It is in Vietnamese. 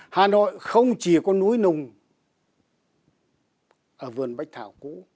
hà nội không chỉ có núi nùng ở vườn bách thảo cũ